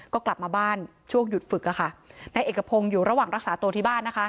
ก็กลับมาบ้านช่วงหยุดฝึกนายเอกพงศ์อยู่ระหว่างรักษาตัวที่บ้านนะคะ